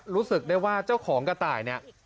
รู้สึกได้ว่าเจ้าของกระต่ายเนี่ย